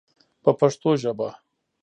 په پښتو ژبه.